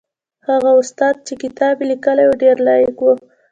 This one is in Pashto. هغه استاد چې کتاب یې لیکلی و ډېر لایق و.